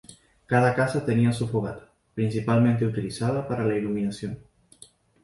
Cada casa tenía su fogata, principalmente utilizada para la iluminación.